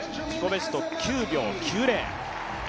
ベスト９秒９０。